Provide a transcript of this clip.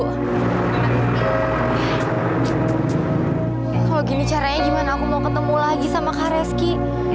kalau gimana caranya gimana aku mau ketemu lagi sama kak reski